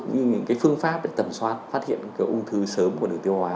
những cái phương pháp để tầm soát phát hiện cái ung thư sớm của nữ tiêu hóa